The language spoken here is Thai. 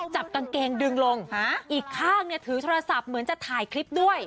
จับกางเกงดึงลงอีกข้างเนี่ยถือโทรศัพท์เหมือนจะถ่ายคลิปด้วย